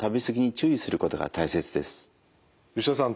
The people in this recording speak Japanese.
吉田さん